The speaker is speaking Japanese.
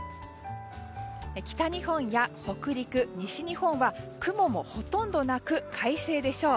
北日本や北陸、西日本は雲もほとんどなく快晴でしょう。